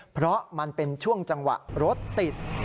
เพราะมันเป็นช่วงจังหวะรถติด